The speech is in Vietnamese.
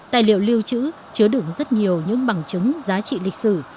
tài liệu lưu trữ chứa đựng rất nhiều những bằng chứng giá trị lịch sử